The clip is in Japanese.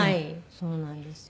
そうなんですよ。